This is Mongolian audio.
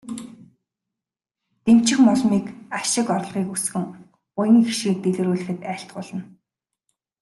Дэмчигмоломыг ашиг орлогыг өсгөн, буян хишгийг дэлгэрүүлэхэд айлтгуулна.